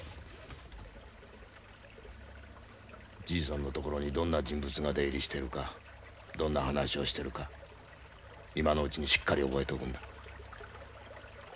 じいさんの所にどんな人物が出入りしてるかどんな話をしてるか今のうちにしっかり覚えておくんだ。